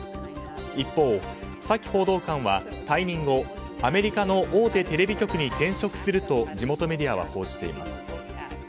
一方、サキ報道官は退任後アメリカの大手テレビ局に転職すると地元メディアは報じています。